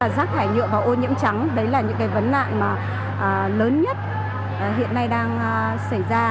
rác thải nhựa và ô nhiễm trắng đấy là những cái vấn nạn mà lớn nhất hiện nay đang xảy ra